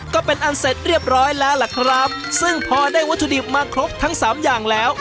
ก็เป็นอันเสร็จเรียบร้อยแล้วล่ะครับซึ่งพอได้วัตถุดิบมาครบทั้งสามอย่างแล้ว